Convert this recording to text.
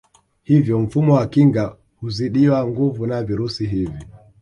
Hivyo mfumo wa kinga huzidiwa nguvu na virusi hivi